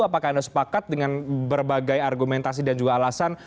apakah anda sepakat dengan berbagai argumentasi dan juga alasan